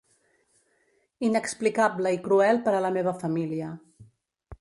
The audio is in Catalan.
Inexplicable i cruel per a la meva família